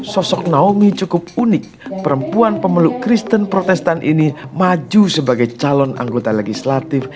sosok naomi cukup unik perempuan pemeluk kristen protestan ini maju sebagai calon anggota legislatif